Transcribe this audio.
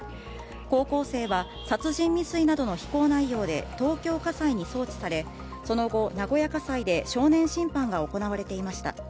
高校生は殺人未遂などの非行内容で東京家裁に送致されその後、名古屋家裁で少年審判が行われていました。